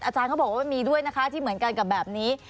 อาจารย์เขาบอกว่ามันมีด้วยนะคะที่เหมือนกันกับแบบนี้